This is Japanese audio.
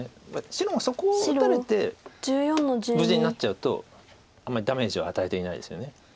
白もそこを打たれて無事になっちゃうとあんまりダメージを与えていないですよね。